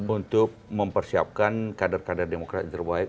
untuk mempersiapkan kader kader demokrat yang terbaik